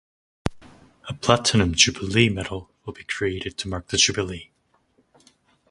A Platinum Jubilee medal will be created to mark the Jubilee.